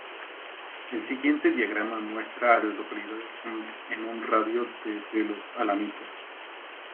El siguiente diagrama muestra a las localidades en un radio de de Los Alamitos.